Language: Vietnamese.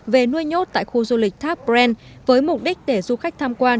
về nuôi nhốt tại khu du lịch thác bren với mục đích để du khách tham quan